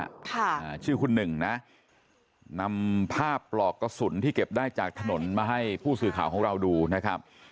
อ่าชื่อคุณหนึ่งนะนำภาพปลอกกระสุนที่เก็บได้จากถนนมาให้ผู้สื่อข่าวของเราดูนะครับ